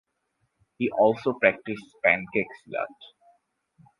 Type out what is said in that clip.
He also practiced pencak silat.